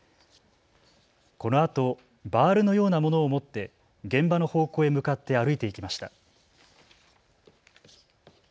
このあとバールのようなものを持って現場の方向へ向かって歩いていきました。